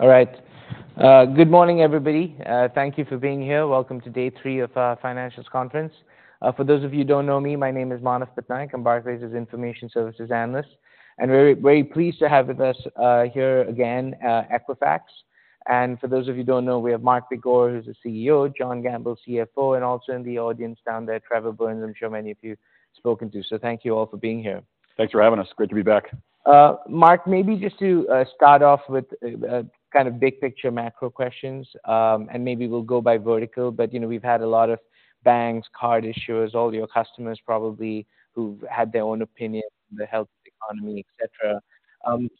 All right. Good morning, everybody. Thank you for being here. Welcome to day three of our Financial Conference. For those of you who don't know me, my name is Manav Patnaik. I'm Barclays' Information Services analyst, and we're very pleased to have with us here again Equifax. And for those of you who don't know, we have Mark Begor, who's the CEO, John Gamble, CFO, and also in the audience down there, Trevor Burns, I'm sure many of you spoken to. So thank you all for being here. Thanks for having us. Great to be back. Mark, maybe just to start off with a kind of big-picture macro questions, and maybe we'll go by vertical. But, you know, we've had a lot of banks, card issuers, all your customers probably, who've had their own opinion on the health of the economy, et cetera.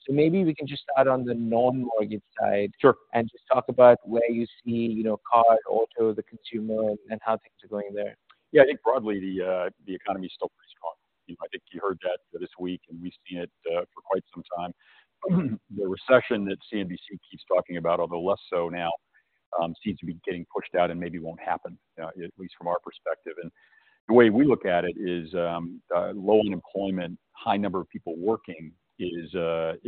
So maybe we can just start on the non-mortgage side- Sure. And just talk about where you see, you know, car, auto, the consumer, and how things are going there. Yeah, I think broadly, the economy is still pretty strong. You know, I think you heard that this week, and we've seen it for quite some time. The recession that CNBC keeps talking about, although less so now, seems to be getting pushed out and maybe won't happen, at least from our perspective. And the way we look at it is, low unemployment, high number of people working is a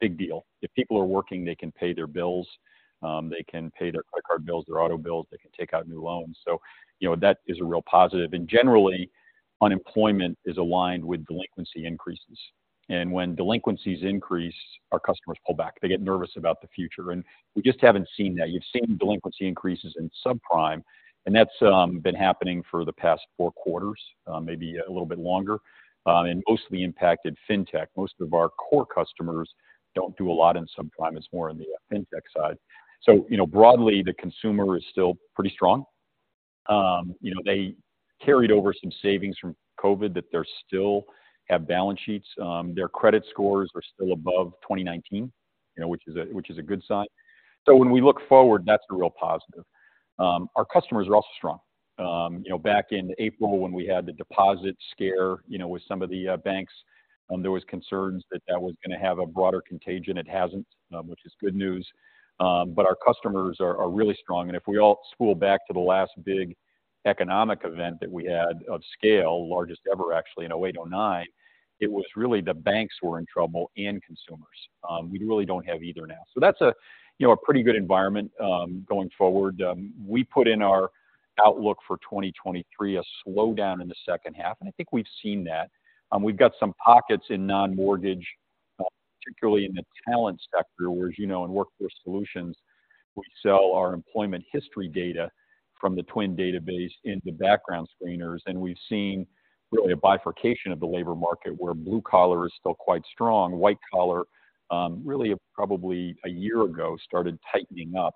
big deal. If people are working, they can pay their bills, they can pay their credit card bills, their auto bills, they can take out new loans. So, you know, that is a real positive. And generally, unemployment is aligned with delinquency increases, and when delinquencies increase, our customers pull back. They get nervous about the future, and we just haven't seen that. You've seen delinquency increases in subprime, and that's been happening for the past four quarters, maybe a little bit longer, and mostly impacted fintech. Most of our core customers don't do a lot in subprime. It's more on the fintech side. So, you know, broadly, the consumer is still pretty strong. You know, they carried over some savings from COVID that they still have balance sheets. Their credit scores are still above 2019, you know, which is a good sign. So when we look forward, that's a real positive. Our customers are also strong. You know, back in April, when we had the deposit scare, you know, with some of the banks, there was concerns that that was going to have a broader contagion. It hasn't, which is good news. But our customers are really strong. And if we all scroll back to the last big economic event that we had of scale, largest ever, actually, in 2008, 2009, it was really the banks were in trouble and consumers. We really don't have either now. So that's, you know, a pretty good environment going forward. We put in our outlook for 2023, a slowdown in the second half, and I think we've seen that. We've got some pockets in non-mortgage, particularly in the talent sector, where, as you know, in Workforce Solutions, we sell our employment history data from the TWN database into background screeners. And we've seen really a bifurcation of the labor market, where blue collar is still quite strong. White collar really probably a year ago started tightening up.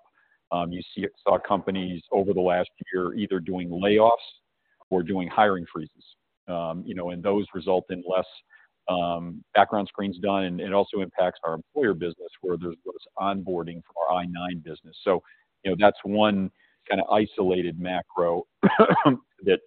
You saw companies over the last year either doing layoffs or doing hiring freezes. You know, and those result in less background screens done, and it also impacts our employer business, where there's onboarding for our I-9 business. So, you know, that's one kind of isolated macro that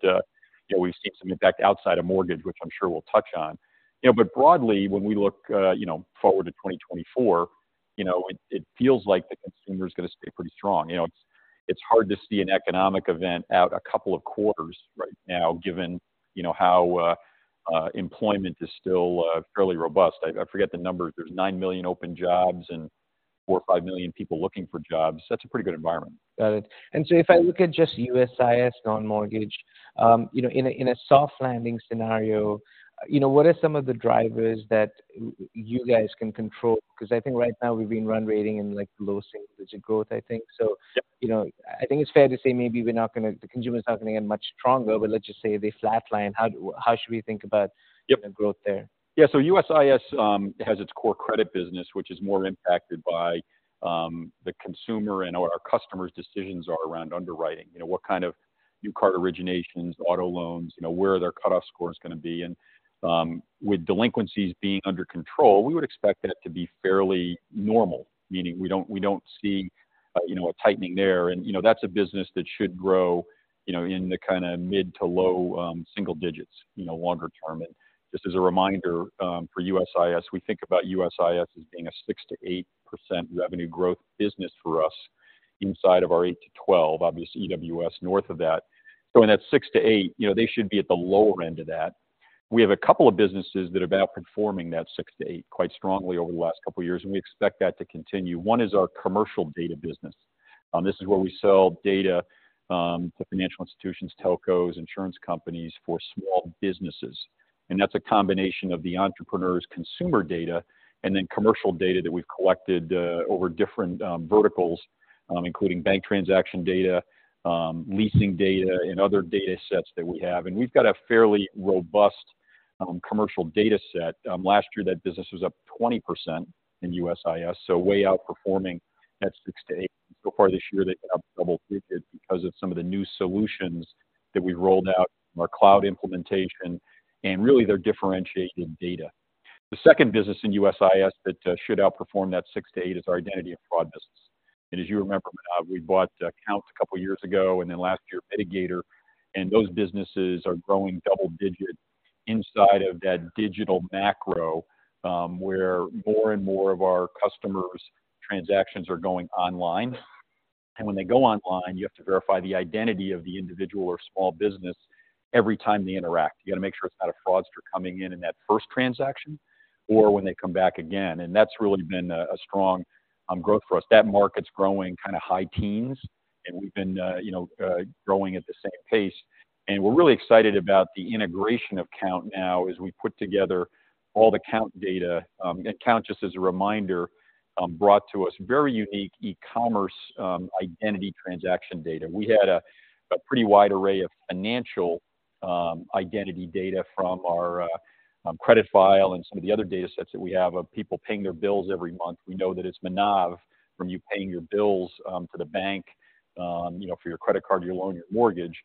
you know, we've seen some impact outside of mortgage, which I'm sure we'll touch on. You know, but broadly, when we look you know, forward to 2024, you know, it feels like the consumer is going to stay pretty strong. You know, it's hard to see an economic event out a couple of quarters right now, given you know, how employment is still fairly robust. I forget the numbers. There's 9 million open jobs and 4 or 5 million people looking for jobs. That's a pretty good environment. Got it. And so if I look at just USIS non-mortgage, you know, in a soft landing scenario, you know, what are some of the drivers that you guys can control? Because I think right now we've been run rating in, like, low single-digit growth, I think so. Yeah. You know, I think it's fair to say maybe we're not going to-- the consumer is not going to get much stronger, but let's just say they flatline. How should we think about- Yep the growth there? Yeah, so USIS has its core credit business, which is more impacted by the consumer and what our customers' decisions are around underwriting. You know, what kind of new card originations, auto loans, you know, where their cutoff score is going to be. And with delinquencies being under control, we would expect that to be fairly normal, meaning we don't, we don't see, you know, a tightening there. And you know, that's a business that should grow, you know, in the kind of mid to low single digits, you know, longer term. And just as a reminder, for USIS, we think about USIS as being a 6%-8% revenue growth business for us inside of our 8%-12%, obviously, EWS north of that. So in that 6%-8%, you know, they should be at the lower end of that. We have a couple of businesses that are outperforming that 6-8 quite strongly over the last couple of years, and we expect that to continue. One is our commercial data business. This is where we sell data to financial institutions, telcos, insurance companies for small businesses. And that's a combination of the entrepreneur's consumer data and then commercial data that we've collected over different verticals, including bank transaction data, leasing data and other data sets that we have. And we've got a fairly robust commercial data set. Last year, that business was up 20% in USIS, so way outperforming that 6%-8%. So far this year, they've been up double digits because of some of the new solutions that we rolled out from our cloud implementation, and really, they're differentiating data. The second business in USIS that should outperform that 6%-8% is our identity and fraud business. And as you remember, we bought Kount a couple of years ago and then last year, Midigator, and those businesses are growing double digits inside of that digital macro, where more and more of our customers' transactions are going online... and when they go online, you have to verify the identity of the individual or small business every time they interact. You got to make sure it's not a fraudster coming in in that first transaction or when they come back again, and that's really been a strong growth for us. That market's growing kind of high teens, and we've been, you know, growing at the same pace. We're really excited about the integration of Kount now as we put together all the Kount data. Kount, just as a reminder, brought to us very unique e-commerce identity transaction data. We had a pretty wide array of financial identity data from our credit file and some of the other datasets that we have of people paying their bills every month. We know that it's Manav, from you paying your bills to the bank, you know, for your credit card, your loan, your mortgage.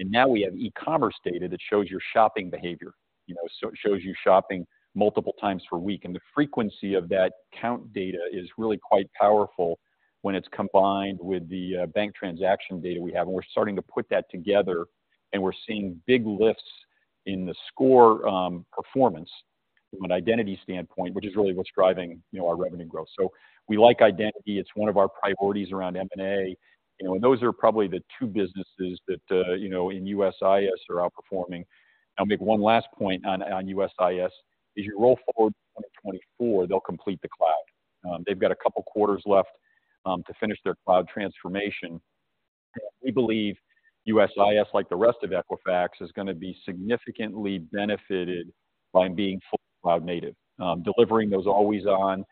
Now we have e-commerce data that shows your shopping behavior. You know, so it shows you shopping multiple times per week, and the frequency of that Kount data is really quite powerful when it's combined with the bank transaction data we have. We're starting to put that together, and we're seeing big lifts in the score, performance from an identity standpoint, which is really what's driving, you know, our revenue growth. So we like identity. It's one of our priorities around M&A, you know, and those are probably the two businesses that, you know, in USIS are outperforming. I'll make one last point on USIS. As you roll forward to 2024, they'll complete the cloud. They've got a couple quarters left to finish their cloud transformation. We believe USIS, like the rest of Equifax, is gonna be significantly benefited by being fully cloud native. Delivering those always-on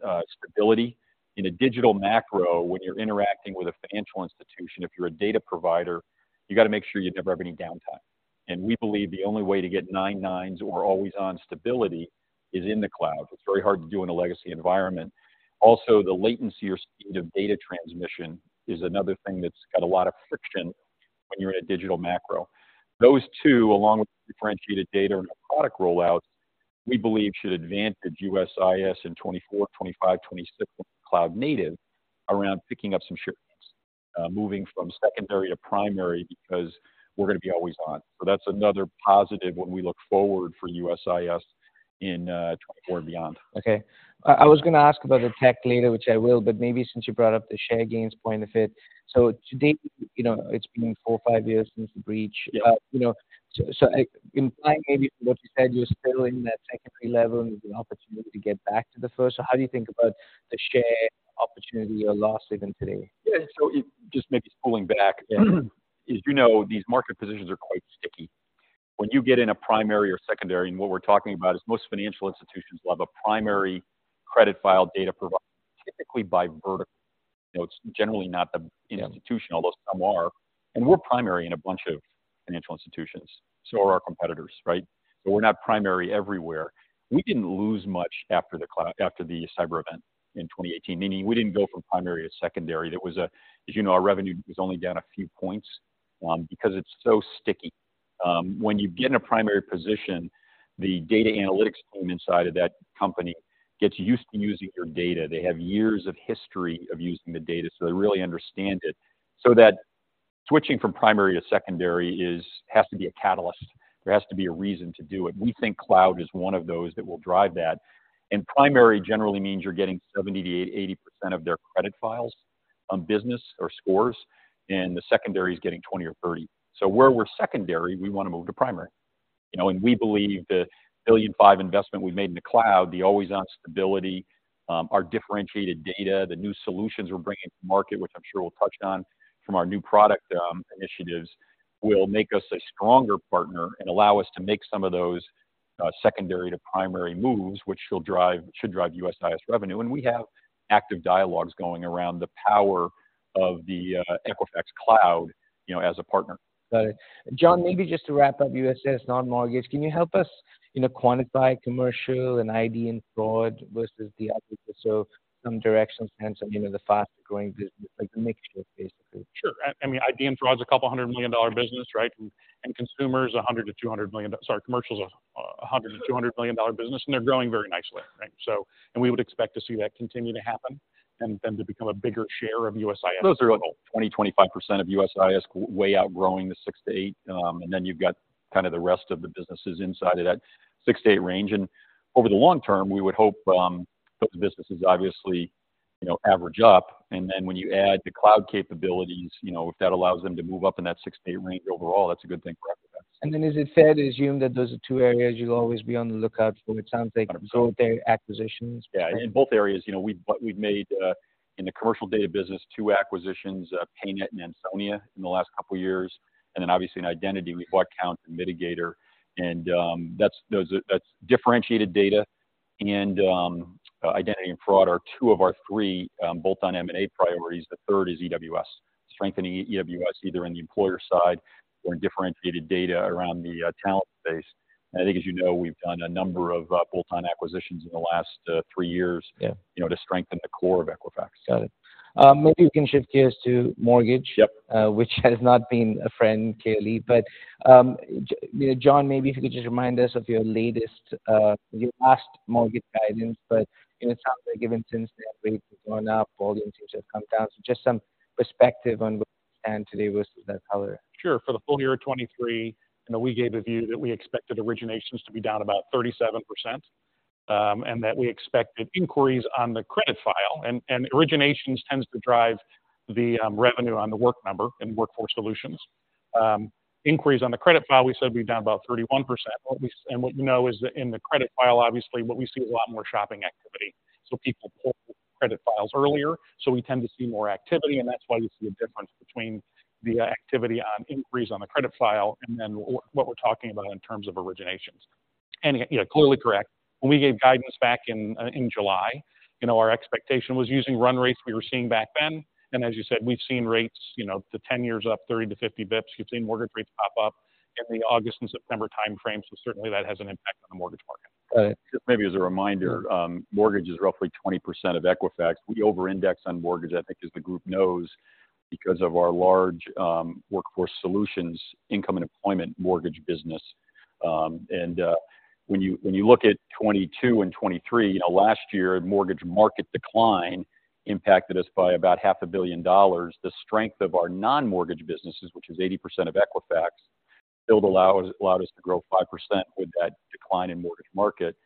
stability. In a digital macro, when you're interacting with a financial institution, if you're a data provider, you got to make sure you never have any downtime. We believe the only way to get nine nines or always-on stability is in the cloud. It's very hard to do in a legacy environment. Also, the latency or speed of data transmission is another thing that's got a lot of friction when you're in a digital macro. Those two, along with differentiated data and the product rollouts, we believe should advantage USIS in 2024, 2025, 2026 cloud native around picking up some share, moving from secondary to primary because we're gonna be always on. That's another positive when we look forward for USIS in 2024 and beyond. Okay. I was gonna ask about the tech later, which I will, but maybe since you brought up the share gains point of it. So to date, you know, it's been four or five years since the breach. Yeah. You know, so I'm implying maybe from what you said, you're still in that secondary level and the opportunity to get back to the first. So how do you think about the share opportunity or loss even today? Yeah. So just maybe pulling back, as you know, these market positions are quite sticky. When you get in a primary or secondary, and what we're talking about is most financial institutions will have a primary credit file data provider, typically by vertical. You know, it's generally not the, you know, institutional, although some are, and we're primary in a bunch of financial institutions, so are our competitors, right? But we're not primary everywhere. We didn't lose much after the cyber event in 2018, meaning we didn't go from primary to secondary. There was a... As you know, our revenue was only down a few points, because it's so sticky. When you get in a primary position, the data analytics team inside of that company gets used to using your data. They have years of history of using the data, so they really understand it. So that switching from primary to secondary has to be a catalyst. There has to be a reason to do it. We think cloud is one of those that will drive that. And primary generally means you're getting 70%-80% of their credit files on business or scores, and the secondary is getting 20% or 30%. So where we're secondary, we want to move to primary. You know, and we believe the $1.5 billion investment we've made in the cloud, the always-on stability, our differentiated data, the new solutions we're bringing to market, which I'm sure we'll touch on from our new product initiatives, will make us a stronger partner and allow us to make some of those secondary to primary moves, which should drive USIS revenue. We have active dialogues going around the power of the Equifax Cloud, you know, as a partner. Got it. John, maybe just to wrap up USIS, non-mortgage, can you help us, you know, quantify commercial and ID and fraud versus the other? So some direction sense of, you know, the faster growing business, like the mixture, basically. Sure. I mean, ID and fraud is a couple hundred million dollar business, right? And consumers, $100 million-$200 million... Sorry, commercial is a $100 million-$200 million dollar business, and they're growing very nicely, right? And we would expect to see that continue to happen and to become a bigger share of USIS. Those are like 20%-25% of USIS, way outgrowing the 6%-8%. And then you've got kind of the rest of the businesses inside of that 6%-8% range. And over the long term, we would hope, those businesses obviously, you know, average up, and then when you add the cloud capabilities, you know, if that allows them to move up in that 6%-8% range overall, that's a good thing for Equifax. And then, is it fair to assume that those are two areas you'll always be on the lookout for? It sounds like- Hundred percent. go there, acquisitions? Yeah, in both areas, you know, we've, we've made, in the commercial data business, two acquisitions, PayNet and Ansonia, in the last couple of years. And then obviously in identity, we bought Kount and Midigator, and, that's, those are... That's differentiated data and, identity and fraud are two of our three, bolt-on M&A priorities. The third is EWS. Strengthening EWS, either in the employer side or in differentiated data around the, talent base. And I think, as you know, we've done a number of, bolt-on acquisitions in the last, three years- Yeah You know, to strengthen the core of Equifax. Got it. Maybe we can shift gears to mortgage- Yep. which has not been a friend, clearly. But, you know, John, maybe if you could just remind us of your latest, your last mortgage guidance, but, you know, it sounds like given since the rates have gone up, volumes seem to have come down. So just some perspective on where we stand today versus that calendar. Sure. For the full year of 2023, you know, we gave a view that we expected originations to be down about 37%, and that we expected inquiries on the credit file, and originations tends to drive the revenue on The Work Number in Workforce Solutions. Inquiries on the credit file, we said we've done about 31%. And what we know is that in the credit file, obviously, what we see a lot more shopping activity. So people pull credit files earlier, so we tend to see more activity, and that's why we see a difference between the activity on inquiries on the credit file and then what we're talking about in terms of originations. And, yeah, clearly correct. When we gave guidance back in, in July, you know, our expectation was using run rates we were seeing back then, and as you said, we've seen rates, you know, the 10-year up 30-50 basis points. We've seen mortgage rates pop up in the August and September time frame, so certainly that has an impact on the mortgage market. Maybe as a reminder, mortgage is roughly 20% of Equifax. We overindex on mortgage, I think, as the group knows, because of our large Workforce Solutions income and employment mortgage business. And when you look at 2022 and 2023, you know, last year, mortgage market decline impacted us by about $500 million. The strength of our non-mortgage businesses, which is 80% of Equifax, still allowed us to grow 5% with that decline in mortgage market.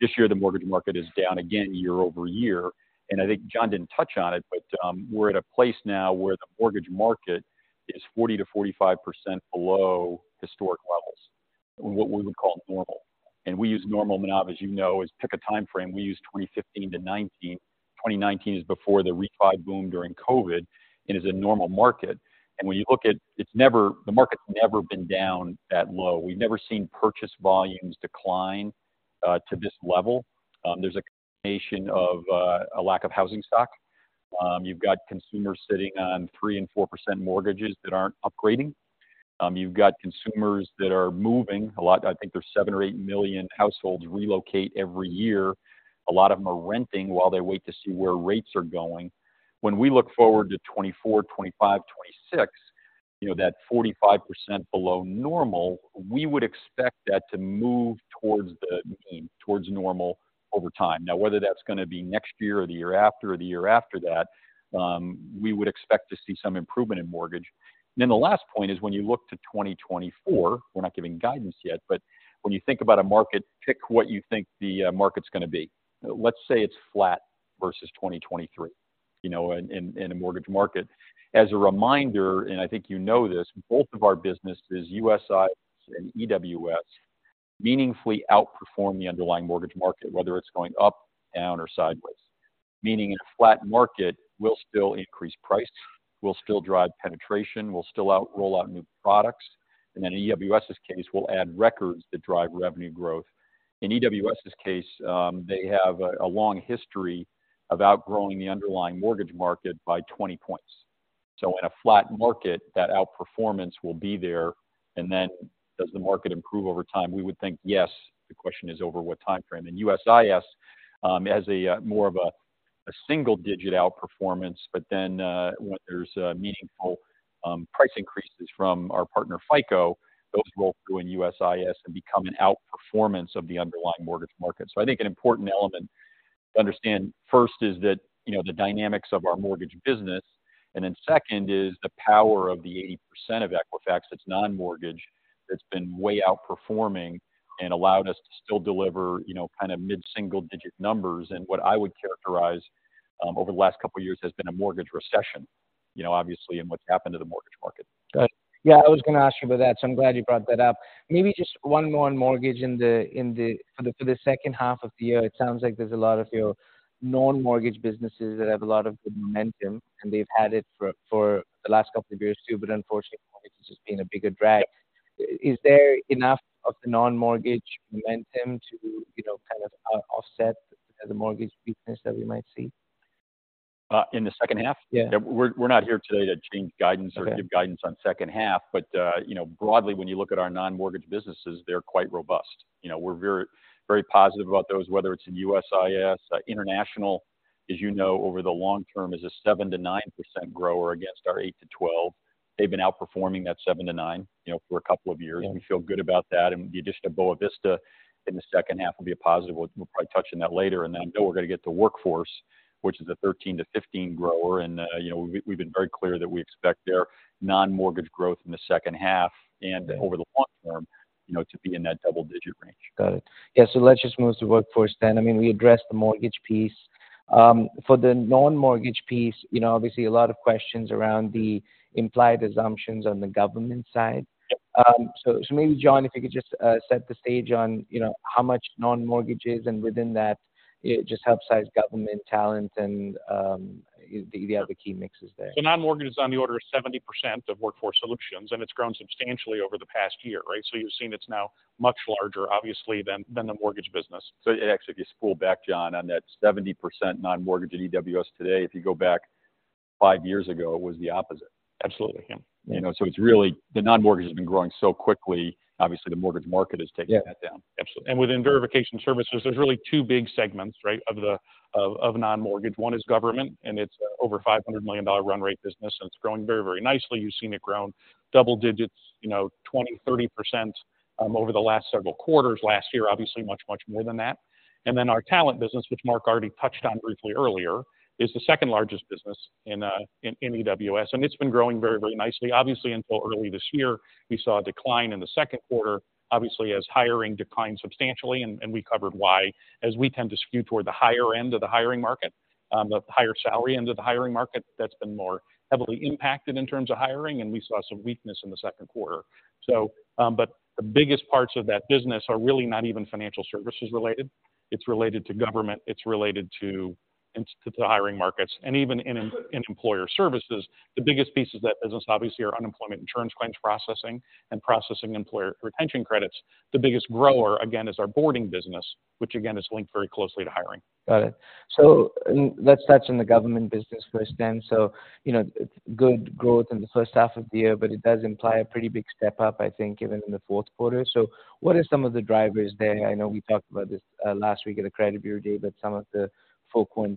This year, the mortgage market is down again year-over-year, and I think John didn't touch on it, but we're at a place now where the mortgage market is 40%-45% below historic levels, what we would call normal. We use normal, Manav, as you know, is pick a time frame. We use 2015 to 2019. 2019 is before the refi boom during COVID and is a normal market. And when you look at it. It's never been down that low. The market's never been down that low. We've never seen purchase volumes decline to this level. There's a combination of a lack of housing stock. You've got consumers sitting on 3% and 4% mortgages that aren't upgrading. You've got consumers that are moving a lot. I think there's 7 or 8 million households relocate every year. A lot of them are renting while they wait to see where rates are going. When we look forward to 2024, 2025, 2026, you know, that 45% below normal, we would expect that to move towards the mean, towards normal over time. Now, whether that's gonna be next year or the year after or the year after that, we would expect to see some improvement in mortgage. Then the last point is when you look to 2024, we're not giving guidance yet, but when you think about a market, pick what you think the market's gonna be. Let's say it's flat versus 2023, you know, in a mortgage market. As a reminder, and I think you know this, both of our businesses, USIS and EWS, meaningfully outperform the underlying mortgage market, whether it's going up, down, or sideways. Meaning in a flat market, we'll still increase price, we'll still drive penetration, we'll still roll out new products, and then in EWS's case, we'll add records that drive revenue growth. In EWS's case, they have a long history of outgrowing the underlying mortgage market by 20 points. So in a flat market, that outperformance will be there, and then does the market improve over time? We would think, yes. The question is over what time frame? In USIS, as more of a single-digit outperformance, but then, when there's meaningful price increases from our partner, FICO, those roll through in USIS and become an outperformance of the underlying mortgage market. So I think an important element to understand, first, is that, you know, the dynamics of our mortgage business, and then second is the power of the 80% of Equifax that's non-mortgage, that's been way outperforming and allowed us to still deliver, you know, kind of mid-single-digit numbers. What I would characterize, over the last couple of years has been a mortgage recession. You know, obviously, and what's happened to the mortgage market. Got it. Yeah, I was gonna ask you about that, so I'm glad you brought that up. Maybe just one more on mortgage in the... For the second half of the year, it sounds like there's a lot of your non-mortgage businesses that have a lot of good momentum, and they've had it for the last couple of years too, but unfortunately, mortgage has just been a bigger drag. Is there enough of the non-mortgage momentum to, you know, kind of, offset the mortgage weakness that we might see? In the second half? Yeah. We're not here today to change guidance- Okay. —or give guidance on second half, but, you know, broadly, when you look at our non-mortgage businesses, they're quite robust. You know, we're very, very positive about those, whether it's in USIS. International, as you know, over the long term, is a 7%-9% grower against our 8%-12%. They've been outperforming that 7%-9%, you know, for a couple of years. Yeah. We feel good about that, and the addition of Boa Vista in the second half will be a positive. We'll probably touch on that later, and then I know we're gonna get to workforce, which is a 13%-15% grower, and, you know, we've been very clear that we expect their non-mortgage growth in the second half and- Right Over the long term, you know, to be in that double-digit range. Got it. Yeah, so let's just move to workforce then. I mean, we addressed the mortgage piece. For the non-mortgage piece, you know, obviously, a lot of questions around the implied assumptions on the government side. Yep. So maybe, John, if you could just set the stage on, you know, how much non-mortgage is, and within that, it just help size government, talent, and the other key mixes there. So non-mortgage is on the order of 70% of Workforce Solutions, and it's grown substantially over the past year, right? So you've seen it's now much larger, obviously, than the mortgage business. So actually, if you spool back, John, on that 70% non-mortgage at EWS today, if you go back five years ago, it was the opposite. Absolutely. You know, so it's really... The non-mortgage has been growing so quickly. Obviously, the mortgage market is taking that down. Yeah. Absolutely. And within verification services, there's really two big segments, right, of non-mortgage. One is government, and it's over $500 million run rate business, and it's growing very, very nicely. You've seen it grow double digits, you know, 20%-30%, over the last several quarters. Last year, obviously much, much more than that. And then our talent business, which Mark already touched on briefly earlier, is the second largest business in EWS, and it's been growing very, very nicely. Obviously, until early this year, we saw a decline in the second quarter, obviously, as hiring declined substantially, and we covered why. As we tend to skew toward the higher end of the hiring market, the higher salary end of the hiring market, that's been more heavily impacted in terms of hiring, and we saw some weakness in the second quarter. So, but the biggest parts of that business are really not even financial services related. It's related to government, it's related to the hiring markets, and even in employer services. The biggest pieces of that business, obviously, are unemployment insurance claims processing and processing employer retention credits. The biggest grower, again, is our boarding business, which again, is linked very closely to hiring. Got it. So let's touch on the government business first then. So, you know, good growth in the first half of the year, but it does imply a pretty big step-up, I think, even in the fourth quarter. So what are some of the drivers there? I know we talked about this last week at the Credit Bureau Day, but some of the full point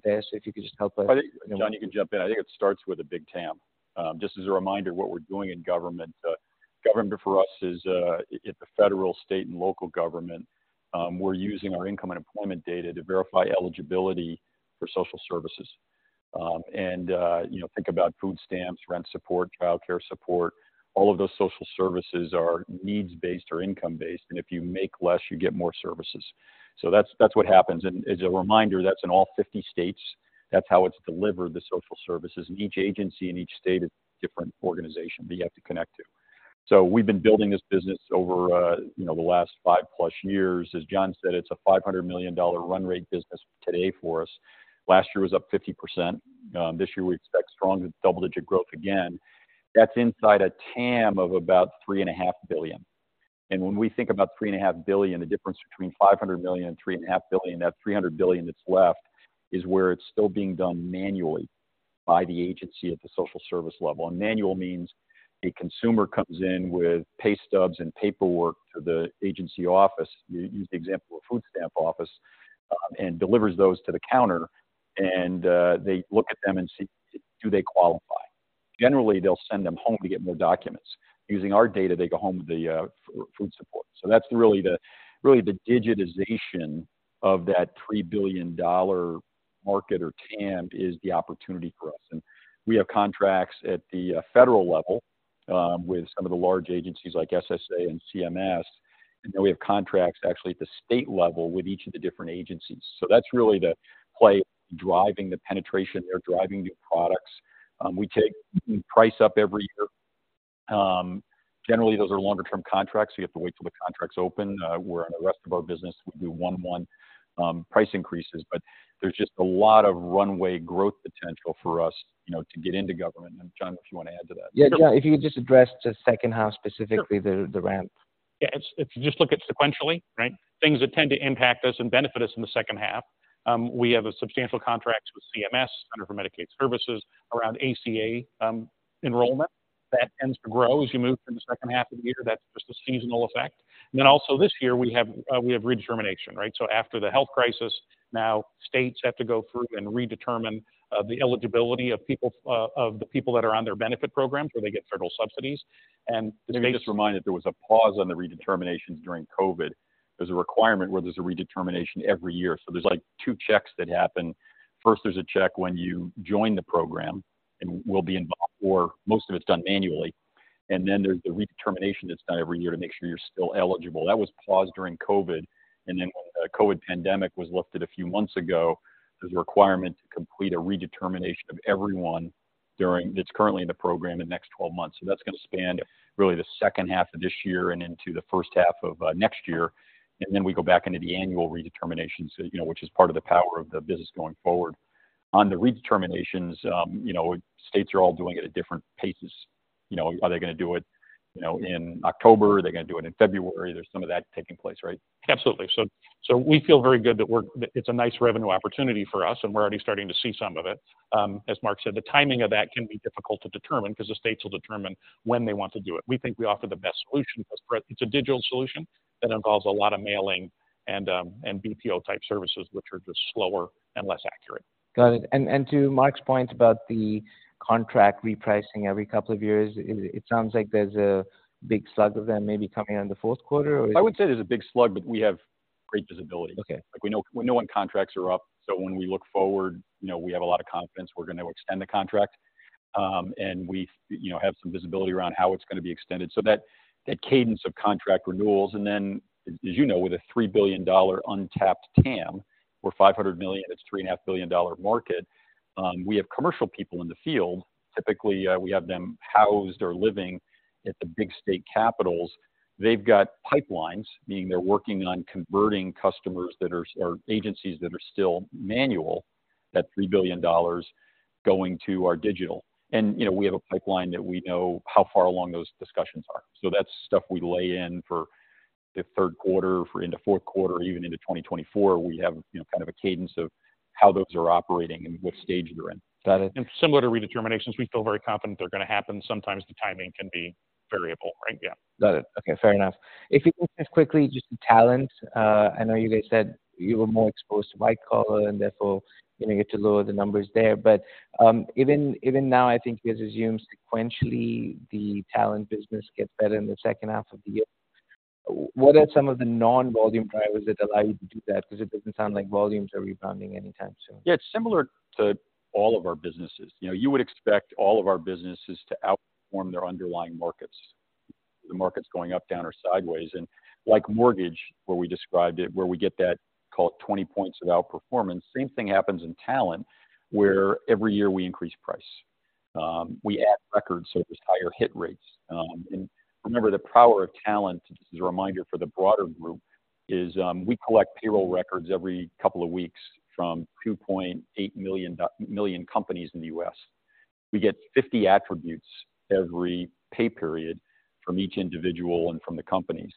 there, so if you could just help us- I think, John, you can jump in. I think it starts with a big TAM. Just as a reminder, what we're doing in government, government for us is at the federal, state and local government, we're using our income and employment data to verify eligibility for social services. And you know, think about food stamps, rent support, childcare support. All of those social services are needs-based or income-based, and if you make less, you get more services. So that's, that's what happens. And as a reminder, that's in all 50 states. That's how it's delivered, the social services. And each agency in each state is a different organization that you have to connect to. So we've been building this business over you know, the last five-plus years. As John said, it's a $500 million run rate business today for us. Last year was up 50%. This year we expect strong double-digit growth again. That's inside a TAM of about $3.5 billion. And when we think about $3.5 billion, the difference between $500 million and $3.5 billion, that $300 billion that's left, is where it's still being done manually by the agency at the social service level. And manual means a consumer comes in with pay stubs and paperwork to the agency office, use the example of a food stamp office, and delivers those to the counter, and they look at them and see, do they qualify? Generally, they'll send them home to get more documents. Using our data, they go home with the food support. So that's really the digitization of that $3 billion market or TAM is the opportunity for us. And we have contracts at the federal level with some of the large agencies like SSA and CMS, and then we have contracts actually at the state level with each of the different agencies. So that's really the play, driving the penetration there, driving new products. We take price up every year. Generally, those are longer-term contracts, so you have to wait till the contracts open. Where in the rest of our business, we do one-one price increases. But there's just a lot of runway growth potential for us, you know, to get into government. And, John, if you want to add to that. Yeah, John, if you could just address just second half, specifically the ramp. Yeah, if you just look at sequentially, right? Things that tend to impact us and benefit us in the second half, we have a substantial contract with CMS, Centers for Medicare and Medicaid Services, around ACA enrollment. That tends to grow as you move through the second half of the year. That's just a seasonal effect. And then also this year, we have, we have redetermination, right? So after the health crisis, now states have to go through and redetermine the eligibility of people, of the people that are on their benefit programs, where they get federal subsidies. And- Let me just remind, that there was a pause on the redeterminations during COVID. There's a requirement where there's a redetermination every year, so there's, like, two checks that happen. First, there's a check when you join the program and will be... or most of it's done manually. Then there's the redetermination that's done every year to make sure you're still eligible. That was paused during COVID, and then when the COVID pandemic was lifted a few months ago, there was a requirement to complete a redetermination of everyone during, that's currently in the program the next 12 months. So that's going to span really the second half of this year and into the first half of next year. Then we go back into the annual redeterminations, you know, which is part of the power of the business going forward. On the redeterminations, you know, states are all doing it at different paces. You know, are they going to do it, you know, in October? Are they going to do it in February? There's some of that taking place, right? Absolutely. So we feel very good that we're that it's a nice revenue opportunity for us, and we're already starting to see some of it. As Mark said, the timing of that can be difficult to determine because the states will determine when they want to do it. We think we offer the best solution because it's a digital solution that involves a lot of mailing and BPO type services, which are just slower and less accurate. Got it. And to Mark's point about the contract repricing every couple of years, it sounds like there's a big slug of them maybe coming in the fourth quarter, or? I would say there's a big slug, but we have great visibility. Okay. Like, we know, we know when contracts are up, so when we look forward, you know, we have a lot of confidence we're going to extend the contract. And we, you know, have some visibility around how it's going to be extended. So that, that cadence of contract renewals, and then, as you know, with a $3 billion untapped TAM, where $500 million, it's $3.5 billion market, we have commercial people in the field. Typically, we have them housed or living at the big state capitals. They've got pipelines, meaning they're working on converting customers that are, or agencies that are still manual, that $3 billion going to our digital. And, you know, we have a pipeline that we know how far along those discussions are. That's stuff we lay in for the third quarter, for into fourth quarter or even into 2024. We have, you know, kind of a cadence of how those are operating and what stage they're in. Got it. Similar to redeterminations, we feel very confident they're going to happen. Sometimes the timing can be variable, right? Yeah. Got it. Okay, fair enough. If you look at quickly, just the talent, I know you guys said you were more exposed to white collar and therefore going to get to lower the numbers there. But, even now, I think it's assumed sequentially, the talent business gets better in the second half of the year. What are some of the non-volume drivers that allow you to do that? Because it doesn't sound like volumes are rebounding anytime soon. Yeah, it's similar to all of our businesses. You know, you would expect all of our businesses to outperform their underlying markets, the markets going up, down, or sideways. And like mortgage, where we described it, where we get that, call it 20 points of outperformance, same thing happens in talent, where every year we increase price, we add records, so there's higher hit rates. And remember, the power of talent, this is a reminder for the broader group, is, we collect payroll records every couple of weeks from 2.8 million companies in the U.S. We get 50 attributes every pay period from each individual and from the companies.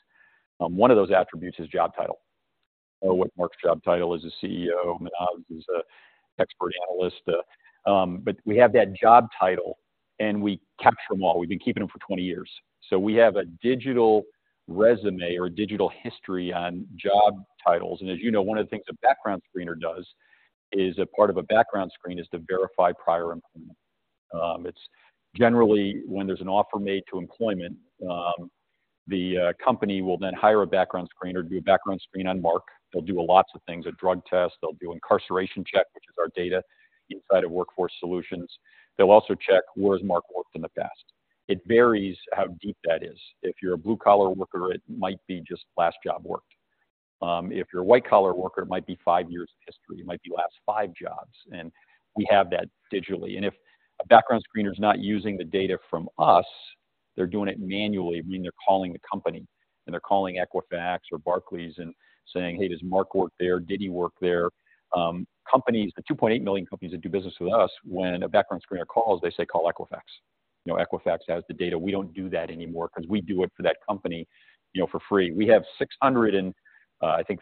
One of those attributes is job title, or what Mark's job title is, a CEO, Manav's is an expert analyst. But we have that job title, and we capture them all. We've been keeping them for 20 years. So we have a digital resume or digital history on job titles, and as you know, one of the things a background screener does is a part of a background screen is to verify prior employment. It's generally when there's an offer made to employment, the company will then hire a background screener to do a background screen on Mark. They'll do lots of things, a drug test, they'll do incarceration check, which is our data inside of Workforce Solutions. They'll also check where has Mark worked in the past. It varies how deep that is. If you're a blue-collar worker, it might be just last job worked. If you're a white-collar worker, it might be five years of history, it might be last five jobs, and we have that digitally. If a background screener is not using the data from us, they're doing it manually, meaning they're calling the company, and they're calling Equifax or Barclays and saying, "Hey, does Mark work there? Did he work there?" Companies, the 2.8 million companies that do business with us, when a background screener calls, they say, "Call Equifax." You know, Equifax has the data. We don't do that anymore 'cause we do it for that company, you know, for free. We have 630, I think,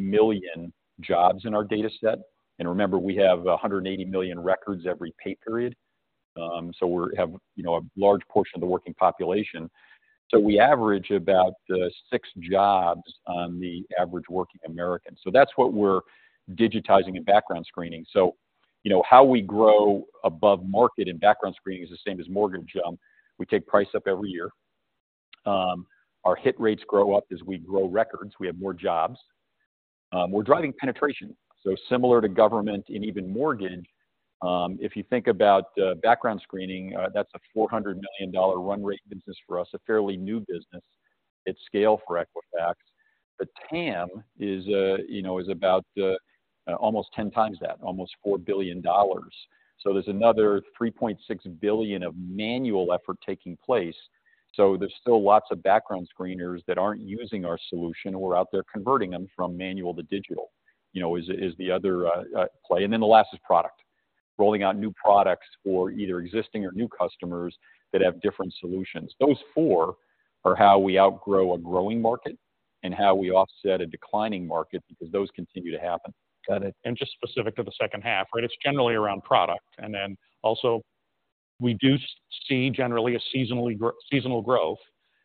million jobs in our dataset. And remember, we have 180 million records every pay period. So we have, you know, a large portion of the working population. So we average about six jobs on the average working American. So that's what we're digitizing in background screening. So you know, how we grow above market in background screening is the same as mortgage. We take price up every year. Our hit rates grow up as we grow records. We have more jobs. We're driving penetration, so similar to government and even mortgage, if you think about background screening, that's a $400 million run rate business for us, a fairly new business at scale for Equifax. The TAM is, you know, is about almost 10 times that, almost $4 billion. So there's another $3.6 billion of manual effort taking place. So there's still lots of background screeners that aren't using our solution, we're out there converting them from manual to digital, you know, is the other play. And then the last is product. Rolling out new products for either existing or new customers that have different solutions. Those four are how we outgrow a growing market and how we offset a declining market because those continue to happen. Got it. And just specific to the second half, right? It's generally around product, and then also we do see generally a seasonal growth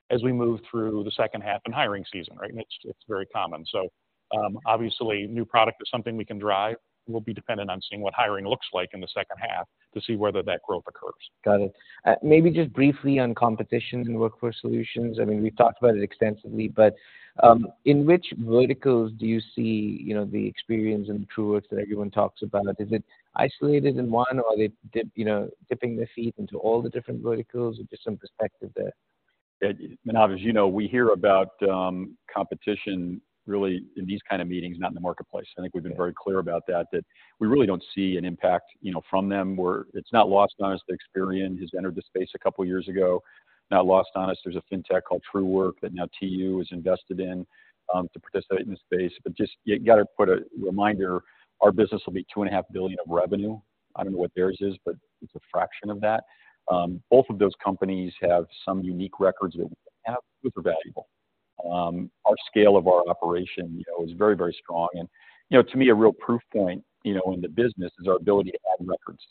as we move through the second half and hiring season, right? And it's very common. So, obviously, new product is something we can drive, will be dependent on seeing what hiring looks like in the second half to see whether that growth occurs. Got it. Maybe just briefly on competition in Workforce Solutions. I mean, we've talked about it extensively, but in which verticals do you see, you know, the Experian and Truework that everyone talks about? Is it isolated in one, or are they, you know, dipping their feet into all the different verticals, or just some perspective there? Manav, as you know, we hear about competition really in these kind of meetings, not in the marketplace. I think we've been very clear about that, that we really don't see an impact, you know, from them, where it's not lost on us that Experian has entered the space a couple of years ago. Not lost on us, there's a fintech called Truework that now TU is invested in to participate in the space. But just you got to put a reminder, our business will be $2.5 billion of revenue. I don't know what theirs is, but it's a fraction of that. Both of those companies have some unique records that we don't have, which are valuable. Our scale of our operation, you know, is very, very strong. You know, to me, a real proof point, you know, in the business is our ability to add records.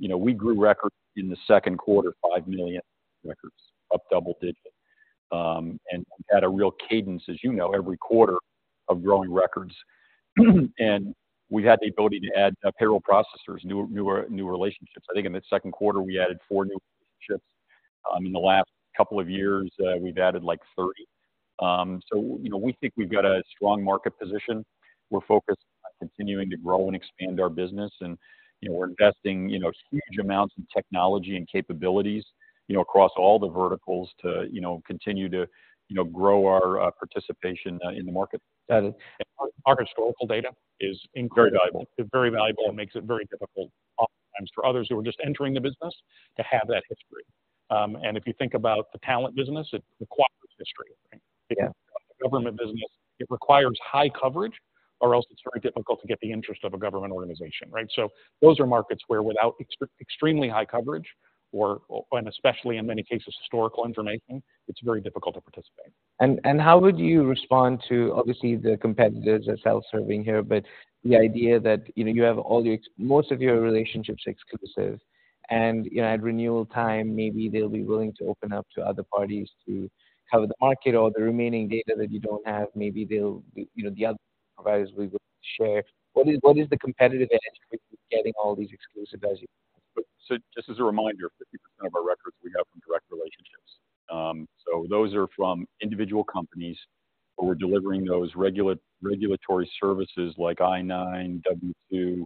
You know, we grew records in the second quarter, 5 million records, up double digits. And we've had a real cadence, as you know, every quarter of growing records. And we've had the ability to add payroll processors, new, new, new relationships. I think in the second quarter, we added four new relationships. In the last couple of years, we've added, like, 30. So you know, we think we've got a strong market position. We're focused on continuing to grow and expand our business, and, you know, we're investing, you know, huge amounts in technology and capabilities, you know, across all the verticals to, you know, continue to, you know, grow our participation in the market. Got it. Our historical data is incredibly- Very valuable. Very valuable, and makes it very difficult oftentimes for others who are just entering the business to have that history. And if you think about the talent business, it requires history, right? Yeah. The government business, it requires high coverage, or else it's very difficult to get the interest of a government organization, right? So those are markets where without extremely high coverage or, and especially in many cases, historical information, it's very difficult to participate. How would you respond to, obviously, the competitors are self-serving here, but the idea that, you know, you have all your... Most of your relationships are exclusive, and, you know, at renewal time, maybe they'll be willing to open up to other parties to cover the market or the remaining data that you don't have. Maybe they'll, you know, the other providers will be willing to share. What is, what is the competitive edge with getting all these exclusive guys? So just as a reminder, 50% of our records we have from direct relationships. So those are from individual companies where we're delivering those regulatory services like I-9, W-2,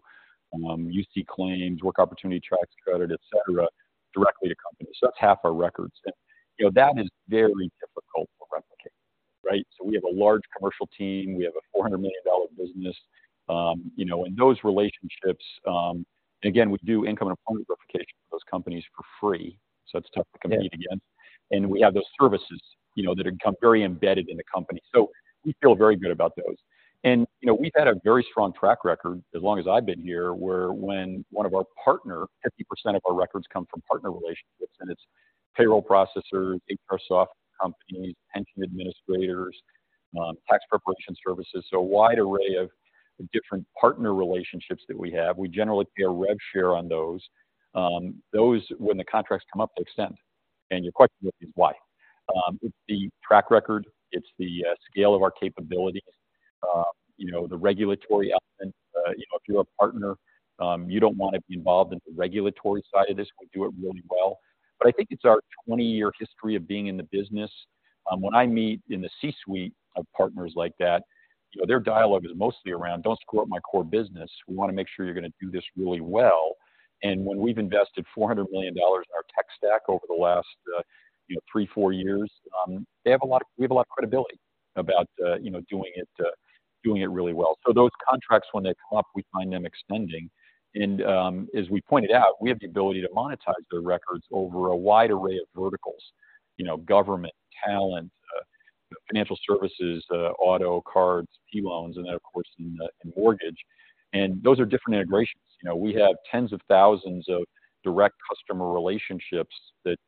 UC claims, Work Opportunity Tax Credit, et cetera, directly to companies. So that's half our records. You know, that is very difficult to replicate.... Right? So we have a large commercial team, we have a $400 million business. You know, and those relationships, again, we do income and employment verification for those companies for free, so it's tough to compete against. And we have those services, you know, that become very embedded in the company. So we feel very good about those. And, you know, we've had a very strong track record as long as I've been here, where when one of our partners, 50% of our records come from partner relationships, and it's payroll processors, HR software companies, pension administrators, tax preparation services. So a wide array of different partner relationships that we have. We generally pay a rev share on those. Those when the contracts come up, they extend. And your question is why? It's the track record, it's the scale of our capabilities, you know, the regulatory element. You know, if you're a partner, you don't want to be involved in the regulatory side of this. We do it really well. But I think it's our 20-year history of being in the business. When I meet in the C-Suite of partners like that, you know, their dialogue is mostly around, "Don't screw up my core business. We wanna make sure you're gonna do this really well." And when we've invested $400 million in our tech stack over the last, you know, three to four years, they have a lot... We have a lot of credibility about, you know, doing it, doing it really well. So those contracts, when they come up, we find them extending. And, as we pointed out, we have the ability to monetize their records over a wide array of verticals, you know, government, talent, financial services, auto, cards, P-loans, and then, of course, in mortgage. And those are different integrations. You know, we have tens of thousands of direct customer relationships that,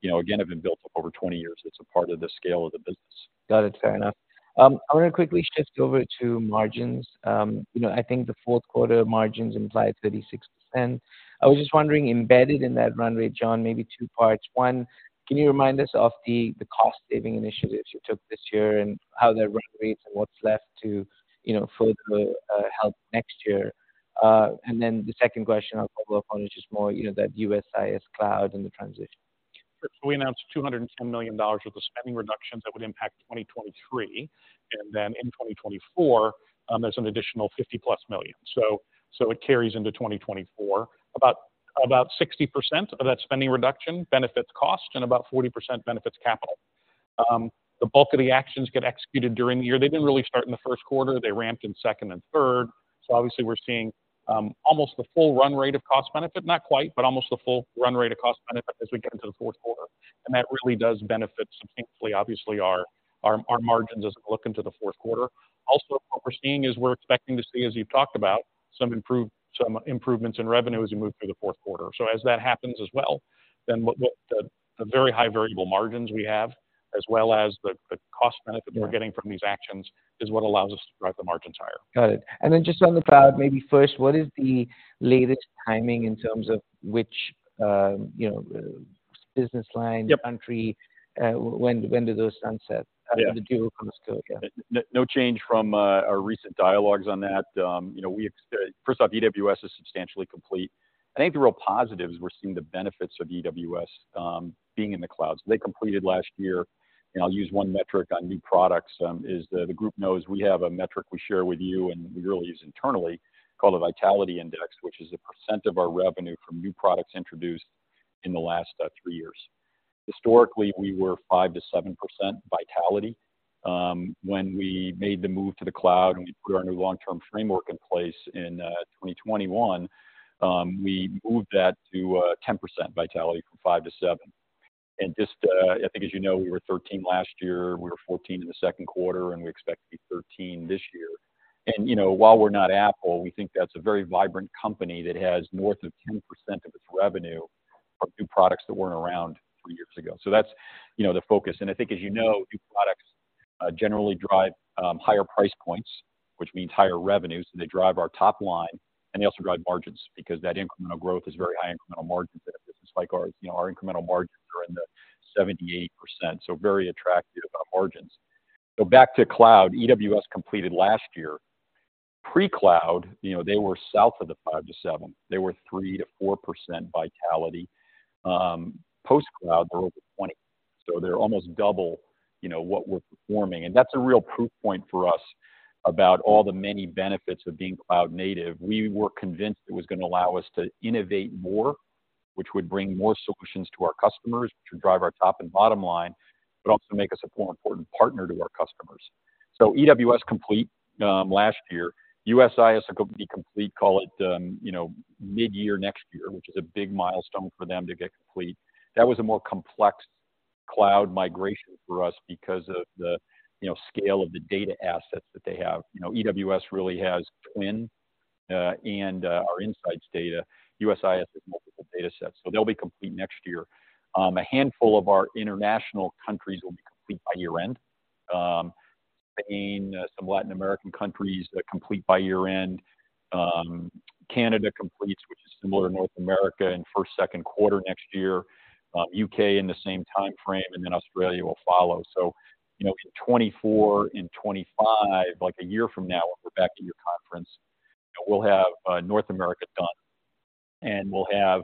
you know, again, have been built up over 20 years. It's a part of the scale of the business. Got it. Fair enough. I want to quickly shift over to margins. You know, I think the fourth quarter margins implied 36%. I was just wondering, embedded in that run rate, John, maybe two parts. One, can you remind us of the, the cost-saving initiatives you took this year and how their run rates and what's left to, you know, further, help next year? And then the second question I'll follow up on is just more, you know, that USIS cloud and the transition. Sure. So we announced $210 million worth of spending reductions that would impact 2023, and then in 2024, there's an additional $50+ million. So, so it carries into 2024. About, about 60% of that spending reduction benefits cost and about 40% benefits capital. The bulk of the actions get executed during the year. They didn't really start in the first quarter. They ramped in second and third. So obviously, we're seeing almost the full run rate of cost benefit. Not quite, but almost the full run rate of cost benefit as we get into the fourth quarter. And that really does benefit substantially, obviously, our, our, our margins as we look into the fourth quarter. Also, what we're seeing is we're expecting to see, as you've talked about, some improvements in revenue as we move through the fourth quarter. So as that happens as well, then what the very high variable margins we have, as well as the cost benefit we're getting from these actions, is what allows us to drive the margins higher. Got it. And then just on the cloud, maybe first, what is the latest timing in terms of which, you know, business line- Yep. -country, when do those sunset? Yeah. The deal comes to, yeah. No change from our recent dialogues on that. First off, EWS is substantially complete. I think the real positive is we're seeing the benefits of EWS being in the cloud. So they completed last year, and I'll use one metric on new products. The group knows we have a metric we share with you, and we really use internally called a Vitality Index, which is a percent of our revenue from new products introduced in the last three years. Historically, we were 5%-7% vitality. When we made the move to the cloud and we put our new long-term framework in place in 2021, we moved that to 10% vitality from 5%-7%. Just, I think, as you know, we were 13% last year, we were 14% in the second quarter, and we expect to be 13% this year. And, you know, while we're not Apple, we think that's a very vibrant company that has more than 10% of its revenue from new products that weren't around three years ago. So that's, you know, the focus. And I think, as you know, new products generally drive higher price points, which means higher revenues, so they drive our top line, and they also drive margins, because that incremental growth is very high incremental margins in a business like ours. You know, our incremental margins are in the 78%, so very attractive margins. So back to cloud, EWS completed last year. Pre-cloud, you know, they were south of the 5%-7%. They were 3%-4% Vitality. Post-cloud, they're over 20%, so they're almost double, you know, what we're performing. And that's a real proof point for us about all the many benefits of being cloud native. We were convinced it was gonna allow us to innovate more, which would bring more solutions to our customers, which would drive our top and bottom line, but also make us a more important partner to our customers. So EWS complete last year. USIS will be complete, call it, you know, midyear next year, which is a big milestone for them to get complete. That was a more complex cloud migration for us because of the, you know, scale of the data assets that they have. You know, EWS really has TWN and our insights data. USIS has multiple datasets, so they'll be complete next year. A handful of our international countries will be complete by year-end. Spain, some Latin American countries are complete by year-end. Canada completes, which is similar to North America, in first/second quarter next year. U.K. in the same timeframe, and then Australia will follow. So, you know, in 2024 and 2025, like a year from now, when we're back at your conference, we'll have North America done, and we'll have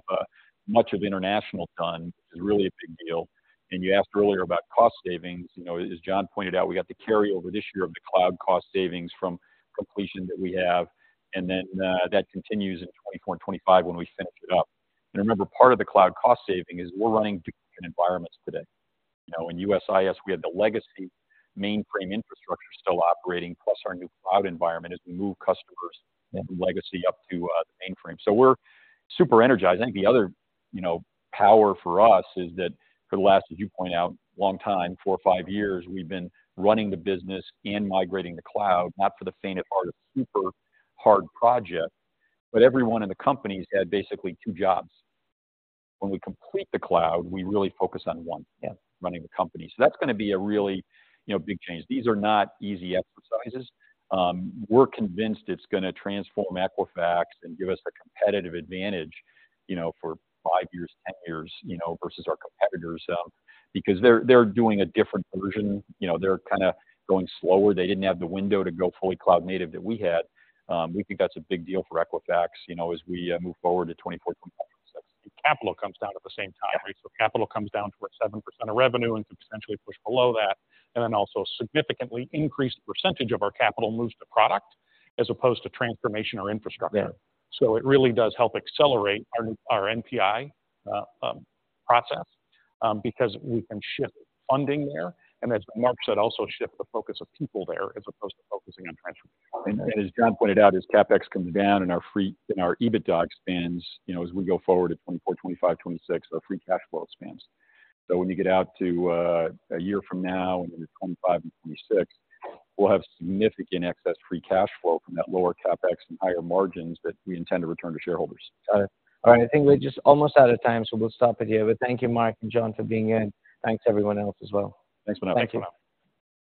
much of international done, is really a big deal. And you asked earlier about cost savings. You know, as John pointed out, we got the carryover this year of the cloud cost savings from completion that we have, and then, that continues in 2024 and 2025 when we finish it up. And remember, part of the cloud cost saving is we're running different environments today. You know, in USIS, we had the legacy mainframe infrastructure still operating, plus our new cloud environment as we move customers from legacy up to the mainframe. So we're super energized. I think the other, you know, power for us is that for the last, as you point out, long time, four or five years, we've been running the business and migrating the cloud. Not for the faint of heart, a super hard project, but everyone in the companies had basically two jobs. When we complete the cloud, we really focus on one thing, running the company. So that's gonna be a really, you know, big change. These are not easy exercises. We're convinced it's gonna transform Equifax and give us a competitive advantage, you know, for five years, ten years, you know, versus our competitors, because they're, they're doing a different version. You know, they're kind of going slower. They didn't have the window to go fully cloud native that we had. We think that's a big deal for Equifax, you know, as we move forward to 2024, 2025. Capital comes down at the same time, right? Yeah. So capital comes down to about 7% of revenue and could potentially push below that, and then also significantly increased percentage of our capital moves to product as opposed to transformation or infrastructure. Yeah. So it really does help accelerate our NPI process, because we can shift funding there, and as Mark said, also shift the focus of people there as opposed to focusing on transformation. As John pointed out, as CapEx comes down and our free cash flow and our EBITDA expands, you know, as we go forward to 2024, 2025, 2026, our free cash flow expands. When you get out to a year from now, 2025 and 2026, we'll have significant excess free cash flow from that lower CapEx and higher margins that we intend to return to shareholders. Got it. All right. I think we're just almost out of time, so we'll stop it here. But thank you, Mark and John, for being here, and thanks everyone else as well. Thanks, Manav. Thanks, Manav.